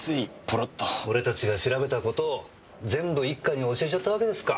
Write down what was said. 俺たちが調べた事を全部一課に教えちゃったわけですか。